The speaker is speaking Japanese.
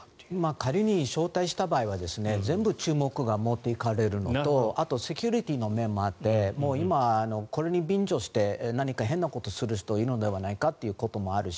仮に招待した場合は全部、注目が持っていかれるのとあとセキュリティーの面もあって今、これに便乗して何か変なことをする人がいるのではないかということもあるし。